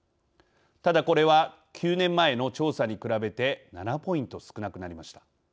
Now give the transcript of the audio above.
ただ、これは９年前の調査に比べて７ポイント少なくなりました。